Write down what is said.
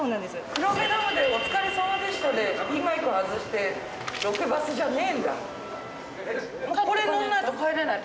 黒部ダムでお疲れさまでしたでピンマイク外してロケバスじゃねえんだ。